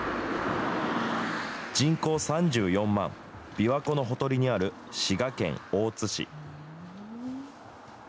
人口３４万、琵琶湖のほとりにある滋賀県大津市。